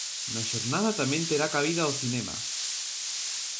Na xornada tamén terá cabida o cinema.